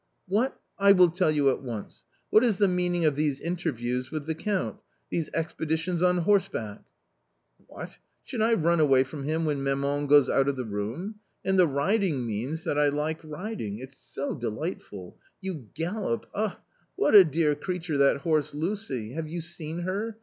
" What ! I will tell you at once ; what is the meaning of these interviews with the Count ; these expeditions on horse back ?"" What ! should I run away from him when maman goes out of the room ! and the riding means — that I like riding — it's so delightful ; you gallop — ah, what a dear creature that horse Lucy ! have you seen her